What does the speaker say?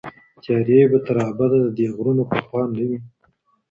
تیارې به تر ابده د دې غرونو په خوا نه وي